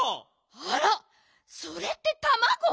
あらそれってたまご？